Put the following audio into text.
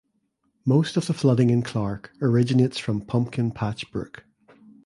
Most of the flooding in Clark originates from Pumpkin Patch Brook.